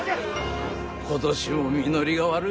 今年も実りが悪い。